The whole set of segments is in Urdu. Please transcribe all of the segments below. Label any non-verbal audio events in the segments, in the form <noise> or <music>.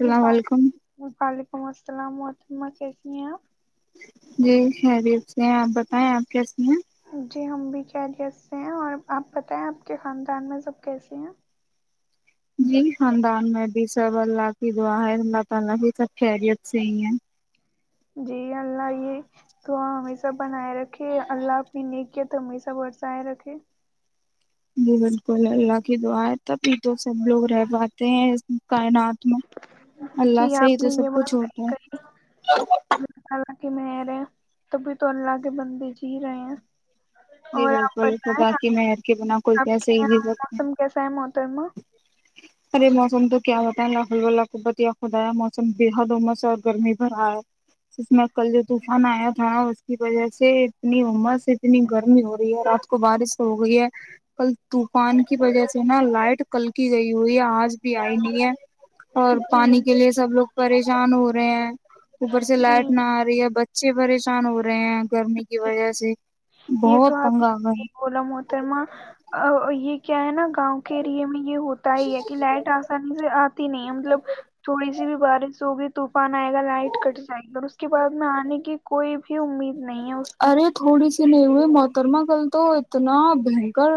اللام علیکم وعلیکم السلام محاتمہ کیسی ہیں آپ جی شریف سے ہیں آپ بتائیں آپ کی ہوں جی ہم بھی کیا گیسٹ سے ہیں اور آپ بتائیں آپ کے خاندان میں سب کیسے ہیں جی خاندان میں بھی سب اللہ کی دعا ہے اللہ تعالی کی سب خیریت سے ہی ہیں جی اللہ یہ تو ہمیشہ بنائے رکھے اللہ اپنی نے کیا تو ہمیشہ بورسائے رکھے جی بالکل اللہ کی دعا تب تو سب لوگ رہ پاتے ہیں اس کائنات میں جی اللہ سے ہی آپ نے تو سب یہ بات کچھ صحیح ہوتا ہے کہ میں رہے تبھی تو اللہ کے بندے جی رہے ہیں جی اور آپ بالکل بتائیں خدا کی آپ میں ہیر کے بنا کوئی آپ کے کیسے ہی یہاں جز موسم کیسا ہے محترمہ ارے موسم تو کیا بتائیں الہ اللہ قبت خدایا موسم بے حد امس اور گرمی بھر آا ہے اس میں کل جو طوفان آیا تھا ن اس کی وجہ سے اتنی امس اتنی گرمی ہو رہی ہے رات کو بارش ہو گئی ہے کل طوفان کی وجہ سے نا لائٹ کل کی گئی ہوئی ہے آج بھی آئی نہیں ہے اور جی پانی کے لیے سب لوگ پریشان ہو رہے ہیں اوپر سے جی لائٹ نہ آ رہی ہے ب اچھے پریشان ہو رہے ہیں گرمی کی وجہ سے یہ تو بہت تنگ آپ آ گئے کول م ہوتاما یہ کیا ہے نا گاؤں کے ایریے میں یہ ہوتا ہی ہے کہ لائٹ آسانی سے آتی نہیں ہے مطلب تھوڑی سی بھی بارش ہو گئی ان آئے گا لائٹ کٹ جائے گی اور اس کے بع میں آنے کی کوئی بھی امید نہیں ہے اس کی ارے تھوڑی سی نہیں ہوئے محترما کل تو اتنا بھینکر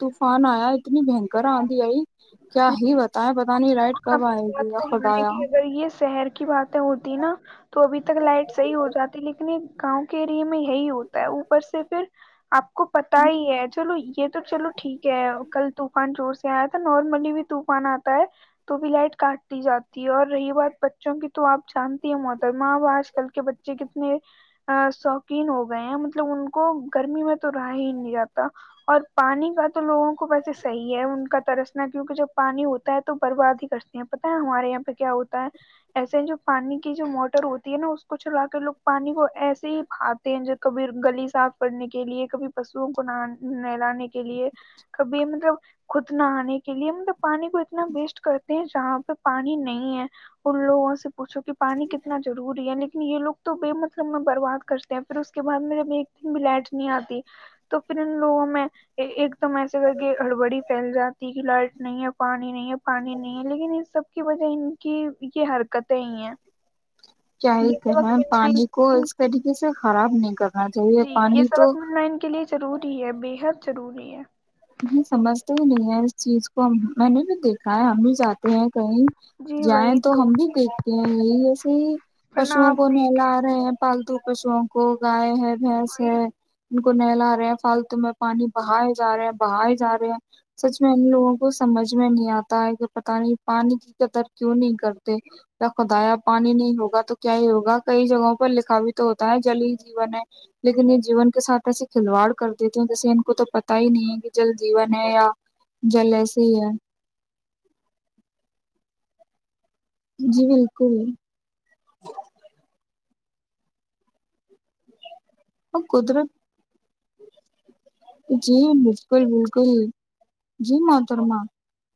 طوفان آیا اتنی بھینکر آندھی آئی کیا لیکن ہی بتائیں پتا نہیں رائٹ آپ اس بات کو مانیں گی اگر یہ شہر کی بات ہوتی نا تو ابھی تک لائٹ صحیح ہو جاتی لیکن یہ گاؤں کے ایریے میں یہی ہوتا ہے اوپر سے پھر آپ کو پتا ہی ہے چلو یہ تو چلو ٹھیک ہے کل طوفان جوور سے آیا تھا نارملی بھی طوفان آتا ہے تو بھی لائٹ کاٹتی جاتی ہے اور رہی بات بچوں کی تو آپ جانتی ہیں محترمہ آج کل کے بچے کتنے شوقین ہو گئے ہیں مطلب ان کو گرمی میں تو رہا ہی نہیں جاتا اور پانی کا تو لوگوں کو ویسے صحیح ہے ان کا ترسنا کیونکہ جب پانی ہوتا ہے تو برباد ہی کرتے ہیں پتا ہے ہمارے یہاں پہ کیا ہوتا ہے ایسے جو پانی کی جو موٹر ہوتی ہے نا اس کو چلا کے لوگ پانی کو ایسے ہی کھاتے ہی کبھی گلی صاف کرنے کے لیے کبھی پشو کو نہ نہلانے کے لیے کبھی مطلب خود نہانے کے لیے مطلب پانی کو اتنا بیسٹ کرتے ہیں جہاں پہ پانی نہیں ہے ان لوگوں سے پوچھو کہ پانی کتنا ضروری ہے یعنی یہ لوگ تو بے مطلب میں برباد کرتے ہیں پھر اس کے بعد میرے بھی ایک دن بھی لائٹ نہیں آتی تو پھر ان لوگوں میں ایک دم ایسے کر کے ہڑبڑی پھیل جاتی کہ لائٹ نہیں ہے پانی نہیں ہے پانی نہیں ہے لیکن ان سب کی وجہ ان کی یہ حرکتیں ہی ہیں کیای ہی یہ کہے سبق ملنا ان- پانی کو ان- اس طریقے سے خراب نہیں کرنا چاہیے جی یہ پانی تو سبق منائن کے لیے ضروری ہے بےحد ضروری ہے نہیں سمجھ تو بھی نہیں ہے اس چیز کو میں نے بھی دیکھا ہے ہمیں جاتے ہیں کہیں جی جائیں وہی تو ہم بھی دیکھتے ہیں یہی ایسے ہی ورنہ پشوں آپ کو دیکھ نہلا رہے ہیں پالتو پشوں کو گائے ہے بھیس ہے ان کو نہلا رہے ہیں فالتو میں پانی بہائے جا رہے ہیں بائے جا رہے ہیں سچ میں ان لوگوں کو سمجھ میں نہیں آتا ہے کہ پتا نہیں پانی کی قدر کیوں نہیں کرتے یا خدایا پانی نہیں ہوگا تو کیا ہی ہوگا کئی جگہوں پر لکھاوی تو ہوتا ہے جل ہی جیون ہے لیکن یہ جیون کے ساتھ ایسے کھلواڑ کر دیتے ہیں جیسے ان کو تو پتا ہی نہیں ہے کہ جل جیون ہے یا جل ایسے ہی ہے جی بالکل اور قدرت جی بالکل بالکل جی محترما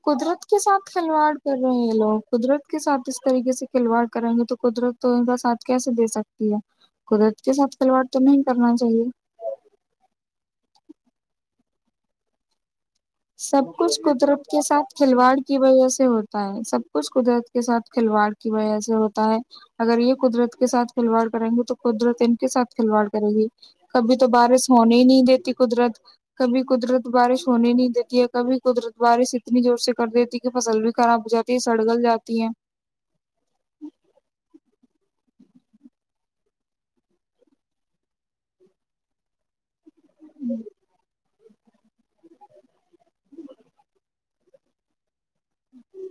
قدرت کے ساتھ کھلواڑ کر رہے ہیں لوگ قدرت کے ساتھ اس طریقے سے کھلواڑ کریں گے تو قدرت تو ان کا ساتھ کیسے دے سکتی ہے قدرت کے ساتھ کھلواڑ تو نہیں کرنا چاہیے سب کچھ قدرت کے ساتھ کھلواڑ کی وجہ سے ہوتا ہے سب کچھ قدرت کے ساتھ کھلواڑ کی وجہ سے ہوتا ہے اگر یہ قدرت کے ساتھ کھلواڑ کریں گے تو قدرت ان کے ساتھ کھلواڑ کرے گی کبھی تو بارش ہونے ہی نہیں دیتی قدرت کبھی قدرت بارش ہونے نہیں دی کبھی قدرت بارش اتنی زور سے کر دیتی کہ فصل بھی خراب ہو جاتی ہے سڑگل جاتی ہے ہوں جیی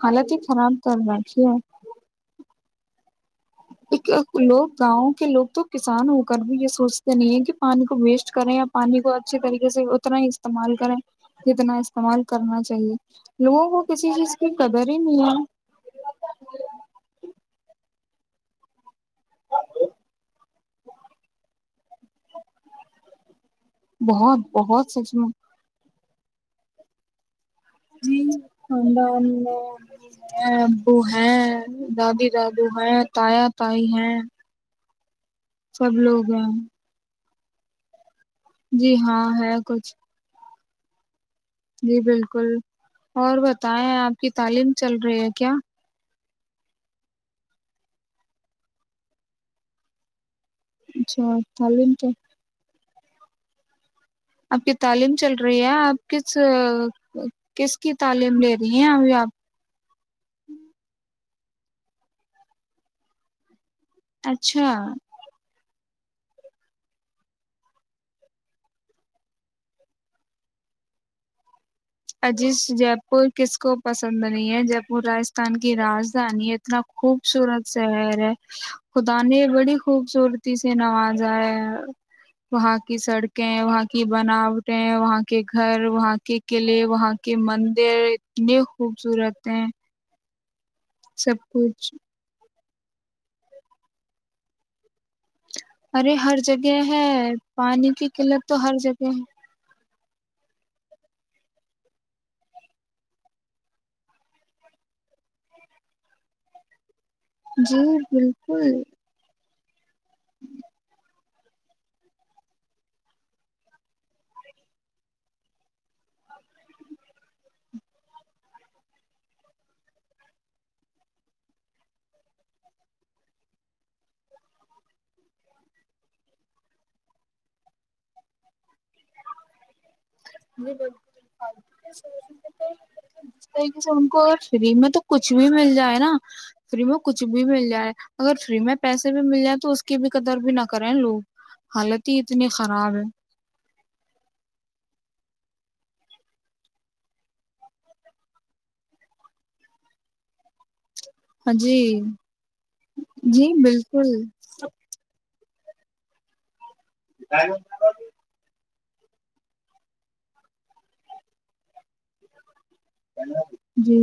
حالت ہی خراب کر ر کیھی ہے لوگ گاؤں کے لوگ تو کسان ہو کر بھی یہ سوچتے نہیں ہے کہ پانی کو ویسٹ کریں یا پانی کو اچھے طریقے سے اتنا ہی استعمال کریں جتنا استعمال کرنا چاہیے لوگوں کو کسی چیز کی قدر ہی نہیں ہے بہت بہت سچ میں جی خاندان میں ہیں ابو ہیں دادی دادو ہیں تایا تائی ہیں سب لوگ ہیں جی ہاں ہے کچھ جی بالکل اور بتائیں آپ کی تعلیم چل رہی ہے کیا اچھا تلے ان تو آپ کی تعلیم چل رہی ہے آپ کس کس کی تعلیم لے رہی ہیں ا آپ اچھا عزیز جے پور کس کو پسند نہیں ہے جے پور راجستھان کی راجدھانی اتنا خوبصورت شہر ہے خدا نے بڑی خوبصورتی سے نوازا ہے وہاں کی سڑکیں وہاں کی بناوٹیں وہاں کے گھر وہاں کے کے لیے وہاں کے مندر اتنے خوبصورت ہیں سب کچھ ارے ہر جگہ ہے پانی کی قلت تو ہر جگہ ہے جی بالکل ے سے ہم کو ا فری میں تو کچھ بھی مل جائے نا فری میں کچھ بھی مل جائے اگر فری میں پیسے بھی مل جائ تو اس کی بھی قدر بھی نہ کریں لوگ حالت ہی اتنی خراب ہے ہاں جی جی بالکل <inaudible> جی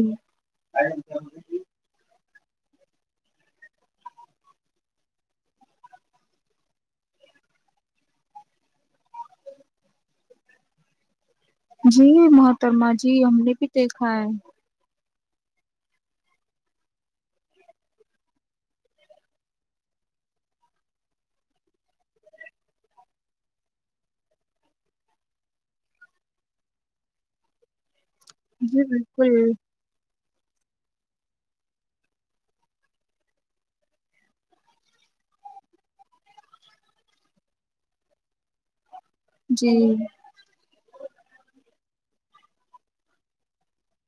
جی محترما جی ہم نے بھی دیکھا ہے جی بالکل جی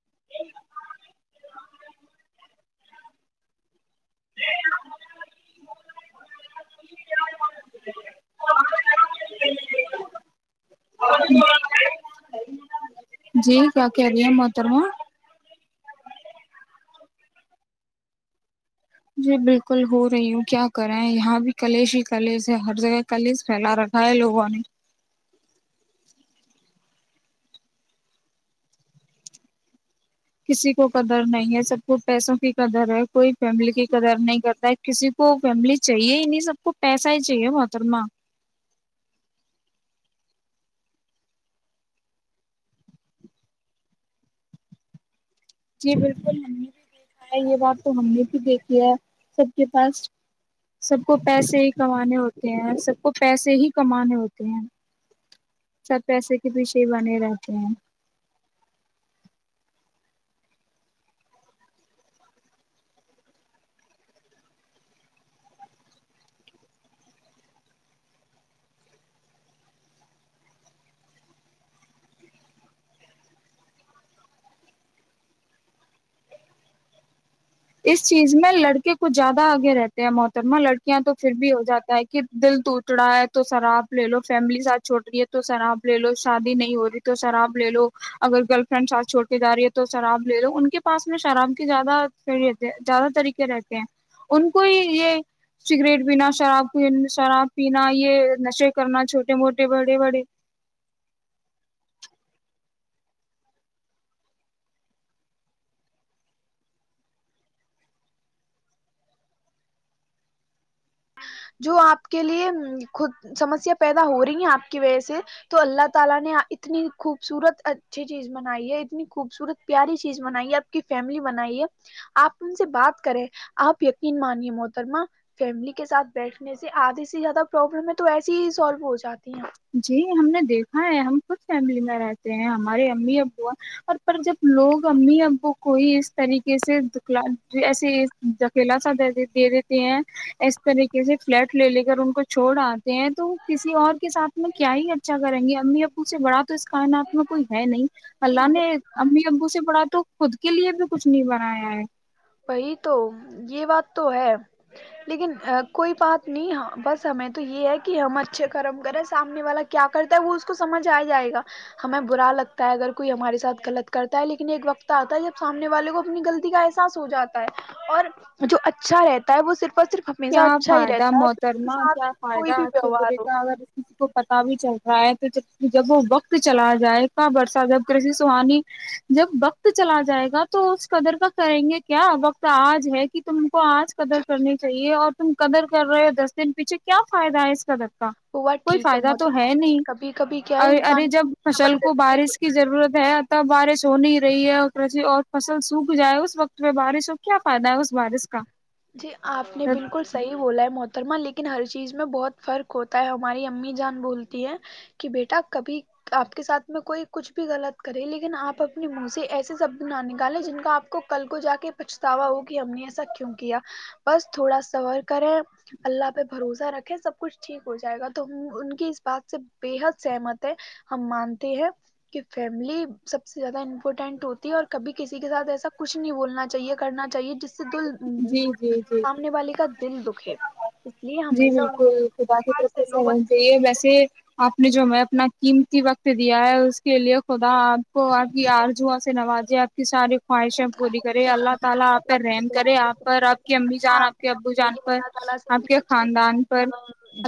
ج جی کیا کہہ رہی ہیں متر ہا جی بالکل ہو رہی ہوں کیا کرا ہیں یہاں بھی کلیش ہی کلیش ہے ہر جگہ کلیش پھیلا رکھا ہے لوگوں نے کسی کو قدر نہیں ہے سب کو پیسوں کی قدر ہے کوئی فیملی کی قدر نہیں کرتا ہے کسی کو فیملی چاہیے ہی نہیں سب کو پیسہ ہی چاہیے محترما جی بالکل ہم نے بھی دیکھا ہے یہ بات تو ہم نے بھی دیکھی ہے سب کے پاس سب کو پیسے ہی کمانے ہوتے ہیں سب کو پیسے ہی کمانے ہوتے ہیں سب پیسے کے پیچھے ہی بنے رہتے ہیں اس چیز میں لڑکے کچھ زیادہ آگے رہتے ہیں محترمہ لڑکیاں تو پھر بھی ہو جاتا ہے کہ دل ٹوٹ رہا ہے تو شراب لے لو فیملی ساتھ چھوڑ رہی ہے تو شراب لے لو شادی نہیں ہو رہی تو شراب لے لو اگر گرل فرینڈ ساتھ چھوڑ کے جا رہی ہے تو شراب لے لو ان کے پاس میں شراب کی زیادہ صحی رہتے زیادہ طریقے رہتے ہیں ان کو ہی یہ سگریٹ پینا شراب شراب پینا یہ نشے کرنا چھوٹے موٹے بڑے بڑے <unintelligible> کے ساتھ بیٹھنے سے آدھے سے زیادہ پروابلم ہے تو ایسسی ہی سالو ہو جاتی ہیں جی ہم نے دیکھا ہے ہم خود فیملی میں رہتے ہیں ہمارے امی ابو اور پر جب لوگ امی ابو کوئی اس طریقے سے د ایسے دکیلا س دے دی ہیں اس طریقے سے فلیٹ لے لے کے گر ان کو چھوڑ آتے ہیں تو کسی اور کے ساتھ میں کیا ہی اچھا کریں گی امی اب سے بڑا اس کائنات میں کوئی ہے نہیں اللہ نے امی ابو سے پڑھا تو خود کے لیے تو کچھ نہیں بنایا ہے وہی تو یہ بات تو ہے لیکن کوئی بات نہیں بس ہمیں تو یہ ہے کہ ہم اچھے کرم کریں سامنے والا کیا کرتا ہے وہ اس کو سمجھ آ جائے گا ہمیں برا لگتا ہے اگر کوئی ہمارے ساتھ غلط کرتا ہے لیکن ایک وقت آتا ہے جب سامنے والے کو اپنی غلطی کا ایسا اس ہو جاتا ہے اور جو اچھا رہتا ہے وہ صرف اور صرف ہمیشہ کیا اچھا ہی فائدہ رہتا ہے پھر اس کے محترمہ ساتھ کیا فائدہ کوئی بھی آج سے ویوہار برے ہو کا اگر اس کسی کو پتا بھی چاہیے رہ تو ج جب وہ وقت چلا جائے گا برسہ جب کر سہانی جب وقت چلا جائے گا تو اس قدر کا کریں گے کیا وقت آج ہے کہ تم کو آج قدر کرنے کی یہ اور تم قدر کر رہے ہو دس دن پیچھے کیا فائدہ ہے اس قدر کا وہ بات کوئی ٹھیک فائدہ تو ہے محترما نہیں کبھی کبھی کیا ہے ارے ارے انسان جب کو فصل صبر کو ضروری بارش ہوتی کی ضرورت ہے تب بارش ہو نہیں رہی ہے اور فصل سوکھ جائے اس وقت پہ بارش ہو کیا فائدہ ہے اس بارش کا جی آپ نے بالکل صحیح بولا ہے مو محترمہ لیکن ہر چیز میں بہت فرق ہوتا ہے ہماری امی جان بولتی کہ بیٹا کبھی آپ کے ساتھ میں کوئی کچھ بھی غلط کرے لیکن آپ اپنے منہ سے ایسے شبد نہ نکالیں جن کا آپ کو کل کو جا کے پچھتاوا ہو کہ ہم نے ایسا کیوں کیا بس تھوڑا سور کریں اللہ پہ بھروسہ رکھیں سب کچھ ٹھیک ہو جائے گا تو ان کی اس بات سے بے حد سہمت ہے ہم مانتے ہیں کہ فیملی سب سے زیادہ امپورٹینٹ ہوتی ہے اور کبھی کسی کے ساتھ ایسا کچھ نہیں بولنا چاہیے کرنا چاہیے جس سے دل جی جی جی سامنے والی کا دل دکھے اس لیے جی ہمیشہ ان بالکل کے بلکل باقی پاس طریقے سے لوگ رہ اچھے چاہی ہے سے لوگ ویسے آپ نے جو ہم اپنا قیمتی وقت دیا ہے اس کے لیے خدا آپ کو آپ کی آرجواں سے نوازے آپ کی سارے خواہشیں پوری کرے اچھے سے اللہ تعالی آپ ہمیں پر کا رحم کرے بہت بہت آپ پر آپ شکریہ کی امی ادا کرنا۔ جان آپ کے نے ابو ہمارے جان لیے پر اللہ تعالی سے آپ اتنی کے اچھی خاندان آ، پر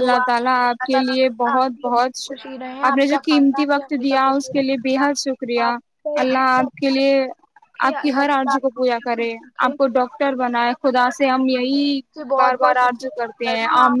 اللہ تعالی کی آپ اللہ کے تعالی لیے آپ بہت بھی بہت ہمیشہ خوشی رہے آپ نے جو کا قیمتی خاندان بھی وقت ہمیشہ دیا خوشی اس کے رہے لیے بےحد اللہ شکریہ آپ کو اللہ ہمیشہ آپ کے اپنے لیے پاس رکھے کہ ہر اللہ تعالی آرجو آپ کو پورا ہمیشہ خوش کرے رکھے آپ کو ڈاکٹر بنائے خدا ہم یہ نہیں جی بار بہت بار بہت آرج شکریہ کرتے کرنا پ آپ آم